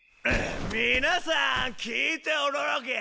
皆さん聞いておろろけぇ！